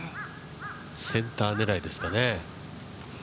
センター狙いですかね。